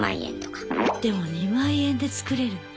でも２万円で作れるの？